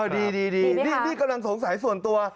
ดีนี่กำลังสงสัยส่วนตัว